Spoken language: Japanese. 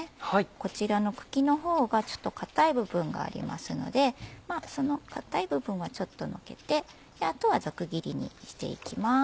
こちらの茎の方がちょっと硬い部分がありますのでその硬い部分はちょっとのけてあとはざく切りにしていきます。